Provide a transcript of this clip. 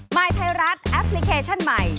ยไทยรัฐแอปพลิเคชันใหม่